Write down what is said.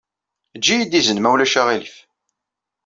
Eǧǧ-iyi-d izen ma ulac aɣilif.